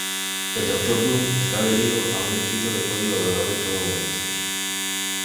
El Doctor Doom está adherido a un estricto código de honor en todo momento.